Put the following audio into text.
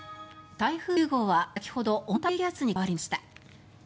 台風９号は先ほど温帯低気圧に変わりました。